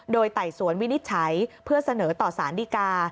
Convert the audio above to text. โดยไต่สวนวินิจฉัยเพื่อเสนอต่อสารดีกา